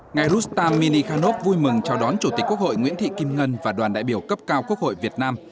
ngày rustam mini khanop vui mừng chào đón chủ tịch quốc hội nguyễn thị kim ngân và đoàn đại biểu cấp cao quốc hội việt nam